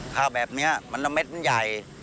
ข้าวแบบนี้มันละเม็ดมันใหญ่